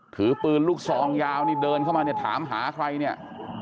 ถือปืนลูกซองยาวนี่เดินเข้ามาเนี่ยถามหาใครเนี่ย